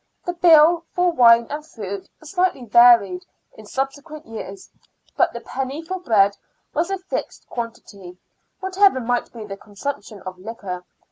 The bill for wine and fruit slightly varied in subsequent years, but the penny for bread was a fixed quantity, whatever might be the consumption of liquor.